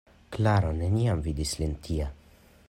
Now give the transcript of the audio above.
Klaro neniam vidis lin tia.